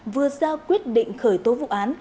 vừa giao quyết định khởi tố vụ án